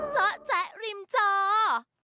เจ้าแจ๊กริมเจ้า